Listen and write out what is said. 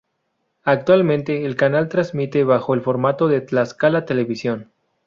Actualmente, el canal transmite bajo el formato de Tlaxcala Televisión.